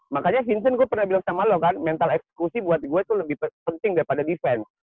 makanya hinson gue pernah bilang sama lo kan mental eksekusi buat gue tuh lebih penting daripada defense